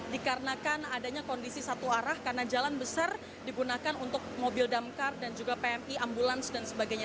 dikarenakan adanya kondisi satu arah karena jalan besar digunakan untuk mobil damkar dan juga pmi ambulans dan sebagainya